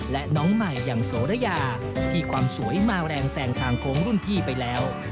และน้องใหม่อย่างโสระยาที่ความสวยมาแรงแสงทางโค้งรุ่นพี่ไปแล้ว